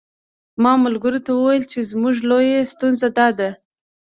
ما ملګرو ته ویل چې زموږ لویه ستونزه داده.